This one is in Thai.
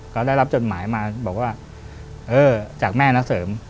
ก็ได้รับจดหมายมาบอกว่าเออจากแม่นะเสริม